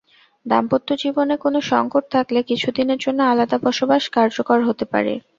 দাম্পত্য জীবনে কোনো সংকট থাকলে কিছুদিনের জন্য আলাদা বসবাস কার্যকর হতে পারে।